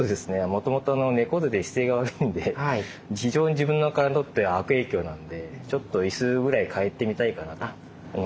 もともとの猫背で姿勢が悪いんで非常に自分の体にとって悪影響なんでちょっと椅子ぐらい替えてみたいかなと思ってまして。